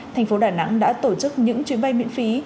thành phố đà nẵng đã tổ chức những chuyến bay miễn phí